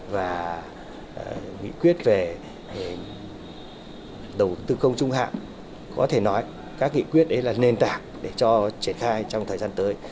và nghị quyết về đầu tư công trung hạn có thể nói các nghị quyết đấy là nền tảng để cho triển khai trong thời gian tới